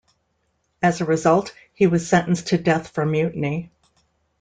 As a result, he was sentenced to death for mutiny.